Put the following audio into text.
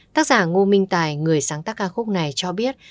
tác giả ngô minh tài người sáng tác ca khúc này cho biết